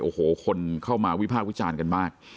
โอ้โหคนเข้ามาวิภาควิจารณ์กันมาก